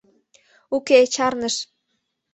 — Уке, чарныш.